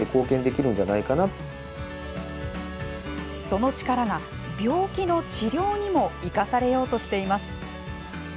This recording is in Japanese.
その力が病気の治療にも生かされようとしています。